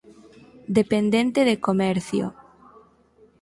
Dependente de comercio.